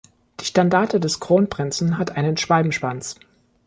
Die Standarte des Kronprinzen hat einen Schwalbenschwanz.